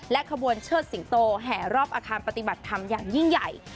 ขบวนเชิดสิงโตแห่รอบอาคารปฏิบัติธรรมอย่างยิ่งใหญ่